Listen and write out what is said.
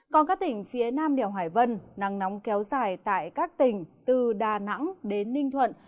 còn các tỉnh phía nam điều hải vân nắng nóng kéo dài tại các tỉnh từ đà nẵng đến ninh thuận